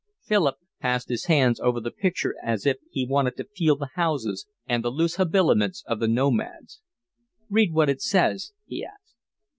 Philip passed his hand over the picture as if he wanted to feel the houses and the loose habiliments of the nomads. "Read what it says," he asked.